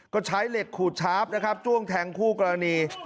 ก็ใช้เหล็กขูดชาร์ฟนะครับจ้วงแทงคู่กรณี